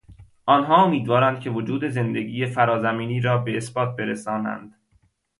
آنان امیدوارند که وجود زندگی فرا زمینی را به اثبات برسانند.